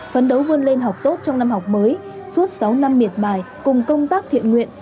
phấn đấu vươn lên học tốt trong năm học mới suốt sáu năm miệt bài cùng công tác thiện nguyện